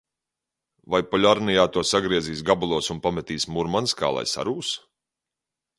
Vai Poļarnijā to sagriezīs gabalos vai pametīs Murmanskā, lai sarūs?